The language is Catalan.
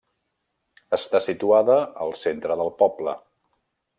Està situada al centre del poble.